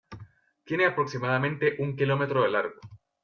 Tiene aproximadamente un kilómetro de largo.